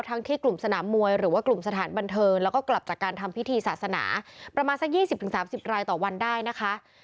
ที่กลุ่มสนามมวยหรือว่ากลุ่มสถานบันเทิงแล้วก็กลับจากการทำพิธีศาสนาประมาณสัก๒๐๓๐รายต่อวันได้นะคะ